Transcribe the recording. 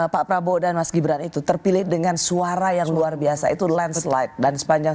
pak prabowo dan mas gibran itu terpilih dengan suara yang luar biasa itu landslide dan sepanjang